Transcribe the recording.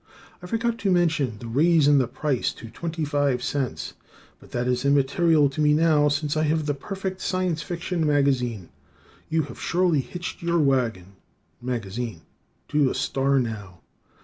I forgot to mention the raise in the price to twenty five cents, but that is immaterial to me now since I have the perfect science fiction magazine. You have surely hitched your wagon (magazine) to a star now!